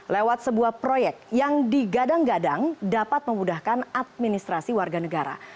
lewat sebuah proyek yang digadang gadang dapat memudahkan administrasi warga negara